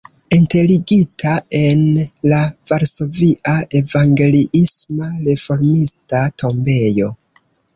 Enterigita en la varsovia evangeliisma-reformista tombejo.